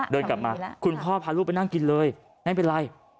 เดินกลับมาคุณพ่อพาลูกไปนั่งกินเลยไม่เป็นไร